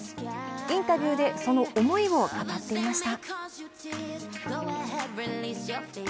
インタビューでその思いを語っていました。